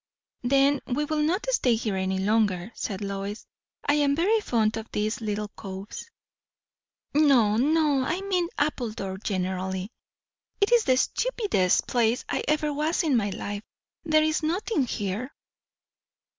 "Then we will not stay here any longer," said Lois. "I am very fond of these little coves." "No, no, I mean Appledore generally. It is the stupidest place I ever was in in my life. There is nothing here."